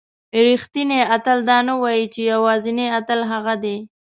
رښتینی اتل دا نه وایي چې یوازینی اتل هغه دی.